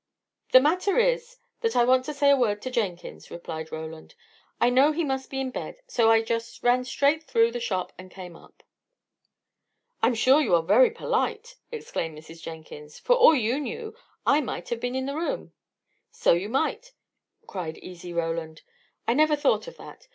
"The matter is, that I want to say a word to Jenkins," replied Roland. "I know he must be in bed, so I just ran straight through the shop and came up." "I'm sure you are very polite!" exclaimed Mrs. Jenkins. "For all you knew, I might have been in the room." "So you might!" cried easy Roland. "I never thought of that.